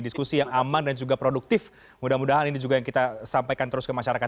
diskusi yang aman dan juga produktif mudah mudahan ini juga yang kita sampaikan terus ke masyarakat